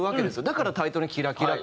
だからタイトルに『キラキラ』。